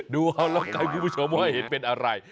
ดูเอาละกันคุณผู้ชมว่าเห็นเป็นอะไร